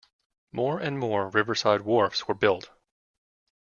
More and more riverside wharfs were built.